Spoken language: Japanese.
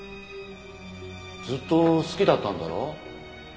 ずっと好きだったんだろ？